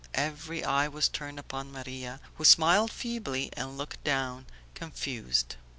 Every eye was turned upon Maria, who smiled feebly and looked down, confused.